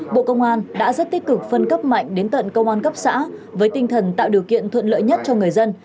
bộ công an đã rất tích cực phân cấp mạnh đến tận công an cấp xã với tinh thần tạo điều kiện thuận lợi nhất cho người dân